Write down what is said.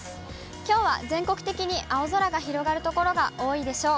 きょうは全国的に青空が広がる所が多いでしょう。